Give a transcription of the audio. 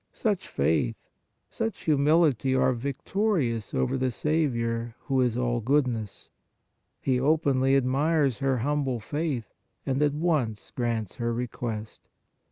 Such faith, such humility are victorious over the Saviour Who is all goodness ; He openly admires her humble faith and at once grants her request.